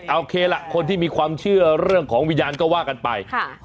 โอเคล่ะคนที่มีความเชื่อเรื่องของวิญญาณก็ว่ากันไป